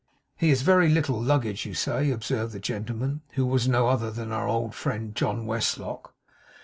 'He has very little luggage, you say?' observed the gentleman, who was no other than our old friend, John Westlock.